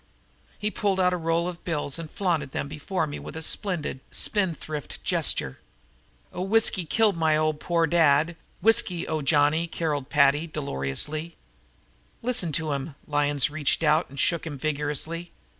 He pulled out a roll of bills and flaunted them before me with a splendid, spendthrift gesture. "Oh, whiskey killed my poor old dad! Whiskey! O Johnny!" carolled Paddy dolorously. "Listen to 'im!" Lyons reached over and shook him vigorously.